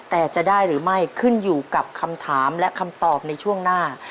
แต่จะได้หรือไม่ขึ้นอยู่กับคำถามและคำตอบในช่วงหน้า